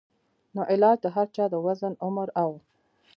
نو علاج د هر چا د وزن ، عمر او